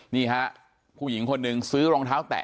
นี่ฮะผู้หญิงคนหนึ่งซื้อรองเท้าแตะ